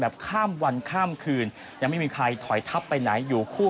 ข้ามวันข้ามคืนยังไม่มีใครถอยทับไปไหนอยู่คู่